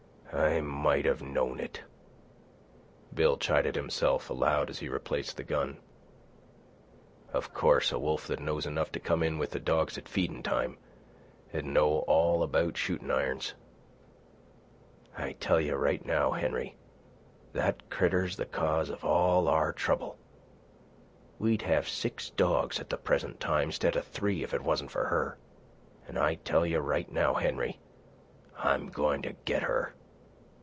"I might have knowed it," Bill chided himself aloud as he replaced the gun. "Of course a wolf that knows enough to come in with the dogs at feedin' time, 'd know all about shooting irons. I tell you right now, Henry, that critter's the cause of all our trouble. We'd have six dogs at the present time, 'stead of three, if it wasn't for her. An' I tell you right now, Henry, I'm goin' to get her.